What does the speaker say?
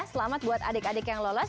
selamat buat adik adik yang lolos